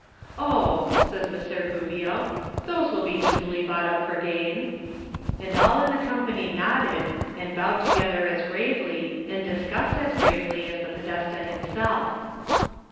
"Oh," says Messer Gubbio, "those will be easily bought up for gain." And all in the company nodded and bowed together as gravely and discussed as gravely as the Podest^ himself.